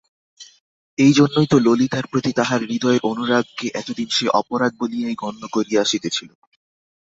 এইজন্যই তো ললিতার প্রতি তাহার হৃদয়ের অনুরাগকে এতদিন সে অপরাধ বলিয়াই গণ্য করিয়া আসিতেছিল।